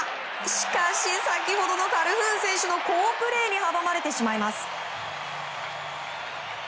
しかし、先ほどのカルフーン選手の好プレーに阻まれてしまいます。